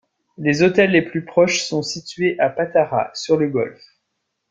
Les hôtels les plus proches sont situés à Patara, sur le Golfe.